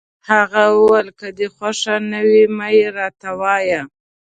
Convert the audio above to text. هغه وویل: که دي خوښه نه وي، مه يې راته وایه.